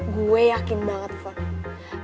gue yakin banget vone